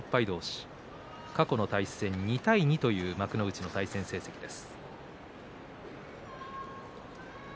と過去の対戦は２対２幕内の対戦成績です。